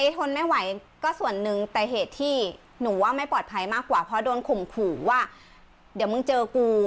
ทนไม่ไหวก็ส่วนหนึ่งแต่เหตุที่หนูว่าไม่ปลอดภัยมากกว่าเพราะโดนข่มขู่ว่าเดี๋ยวมึงเจอกู